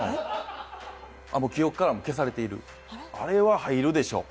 もう記憶からも消されている、あれは入るでしょう。